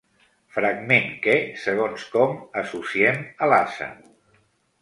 Fragment que, segons com, associem a l'ase.